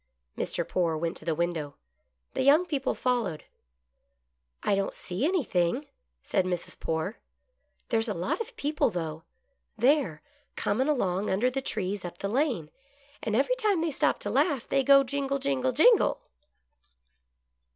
Mr. Poore went to the window. The young people followed. " I don't see anything," said Mrs. Poore. " There's a lot of people, though — there, coming along under the trees up the lane, and every time they stop to laugh, they go — jingle, jingle, jingle!